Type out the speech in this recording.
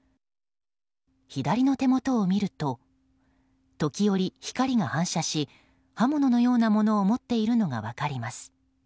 左の手元を見ると時折、光が反射し刃物のようなものを持っているのがわかります。